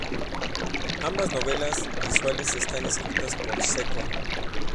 Ambas novelas visuales están escritas por Seko.